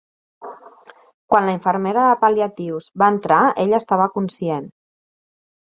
Quan la infermera de pal·liatius va entrar ell estava conscient.